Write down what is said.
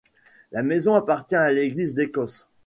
La maison appartient à l'Église d'Écosse.